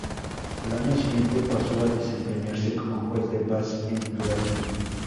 Al año siguiente pasó a desempeñarse como Juez de Paz en Durazno.